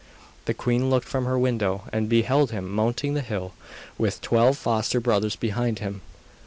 The queen looked from her window and beheld him mounting the hill, with the twelve foster brothers behind him.